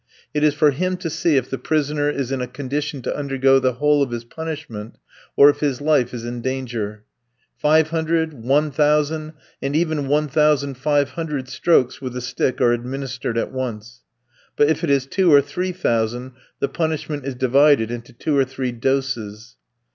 It is for him to see if the prisoner is in a condition to undergo the whole of his punishment, or if his life is in danger. Five hundred, one thousand, and even one thousand five hundred strokes with the stick are administered at once. But if it is two or three thousand the punishment is divided into two or three doses.